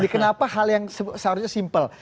kenapa hal yang seharusnya simpel